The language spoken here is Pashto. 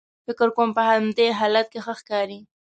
فکر کوم په همدې حالت کې ښه ښکارې.